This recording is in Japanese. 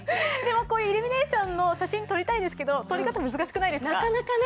イルミネーションの写真撮りたいですけど撮り方、難しくないですか？